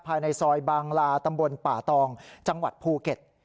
ภายในซอยบางลาตำบลป่าตองจังหวัดภูเก็ต